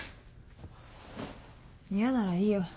嫌ならいいよ